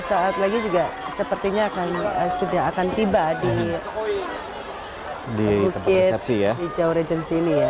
saat lagi juga sepertinya akan sudah akan tiba di bukit di jauh regency ini ya